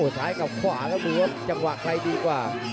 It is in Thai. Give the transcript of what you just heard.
ซ้ายกับขวาแล้วดูครับจังหวะใครดีกว่า